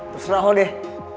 terserah lo deh